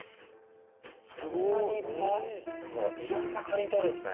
いろんなかりんとうあるんすね。